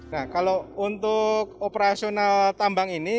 nah kalau untuk operasional tambang ini